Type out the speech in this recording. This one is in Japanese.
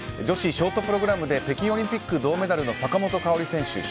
女子ショートプログラムで北京オリンピック銅メダルの坂本花織選手